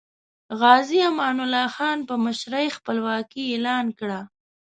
غازی امان الله خان په مشرۍ خپلواکي اعلان کړه.